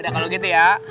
udah kalau gitu ya